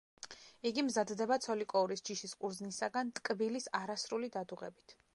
იგი მზადდება ცოლიკოურის ჯიშის ყურძნისაგან, ტკბილის არასრული დადუღებით.